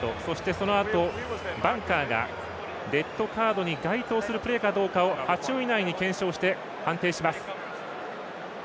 そのあとバンカーがカードに該当するプレーかどうかを８分以内に検証して、判定します。